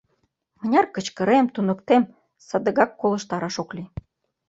Мыняр кычкырем, туныктем, садыгак колыштараш ок лий.